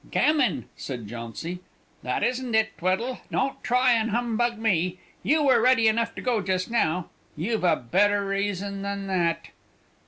"Gammon!" said Jauncy. "That isn't it, Tweddle; don't try and humbug me. You were ready enough to go just now. You've a better reason than that!"